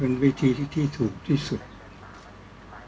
ก็ต้องทำอย่างที่บอกว่าช่องคุณวิชากำลังทำอยู่นั่นนะครับ